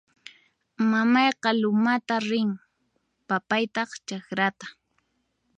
Mamayqa lumatan rin; papaytaq chakrata